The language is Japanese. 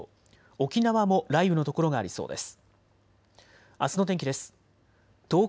沖縄も雷雨の所がありそうです。